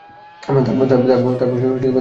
তারপর তিনি উযু করলেন।